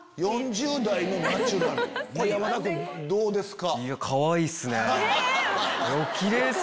山田君どうですか？